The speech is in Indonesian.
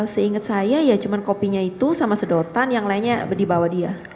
seingat saya ya cuma kopinya itu sama sedotan yang lainnya dibawa dia